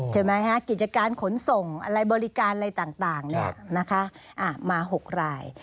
ใช่ไหมฮะกิจการขนส่งบริการอะไรต่างมา๖ราย